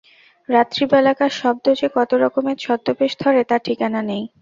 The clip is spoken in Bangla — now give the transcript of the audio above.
রাত্রিবেলাকার শব্দ যে কতরকমের ছদ্মবেশ ধরে তার ঠিকানা নেই।